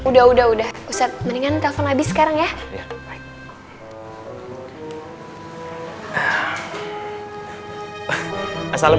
udah udah udah ustadz mendingan telpon abis sekarang ya